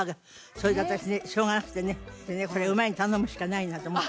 それで私しょうがなくてねこれ馬に頼むしかないなと思って。